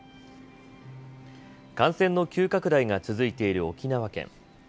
感染の急拡大が続いている沖縄県。